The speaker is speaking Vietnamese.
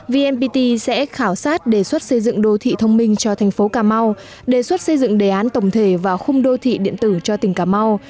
vnpt sẽ khảo sát đề xuất xây dựng đô thị thông minh cho thành phố cà mau đề xuất xây dựng đề án tổng thể vào khung đô thị điện tử cho tỉnh cà mau